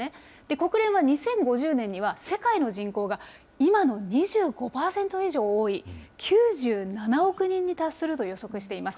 国連は２０５０年には、世界の人口が今の２５％以上多い９７億人に達すると予測しています。